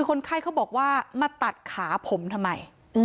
คนไข้เขาบอกว่ามาตัดขาผมทำไม